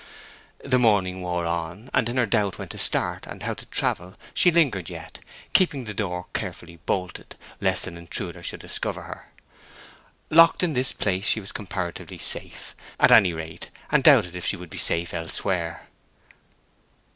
The morning wore on; and in her doubt when to start, and how to travel, she lingered yet, keeping the door carefully bolted, lest an intruder should discover her. Locked in this place, she was comparatively safe, at any rate, and doubted if she would be safe elsewhere.